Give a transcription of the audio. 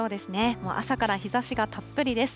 もう朝から日ざしがたっぷりです。